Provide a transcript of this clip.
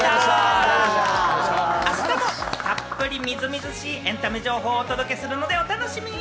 明日もたっぷりみずみずしいエンタメ情報をお届けするので、お楽しみに！